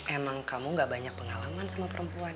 emang kamu gak banyak pengalaman sama perempuan